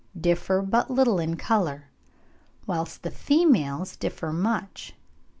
differ but little in colour, whilst the females differ much.